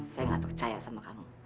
saya gak percaya sama kamu